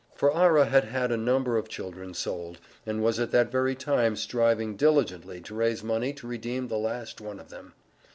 For Arrah had had a number of children sold, and was at that very time striving diligently to raise money to redeem the last one of them.